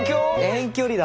遠距離だ。